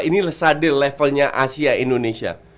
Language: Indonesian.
ini sadil levelnya asia indonesia